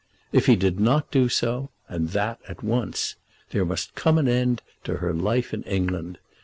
If he did not do so, and that at once, there must come an end to her life in England.